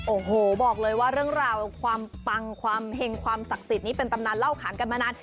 โอ้โหบอกเลยว่าเรื่องราวความปังความเห็งความศักดิ์สิทธิ์นี้เป็นตำนานเล่าขานกันมานาน